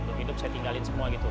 untuk hidup saya tinggalin semua gitu